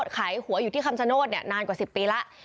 ขายหัวอยู่ที่คำชโนธนานกว่า๑๐ปีแล้ว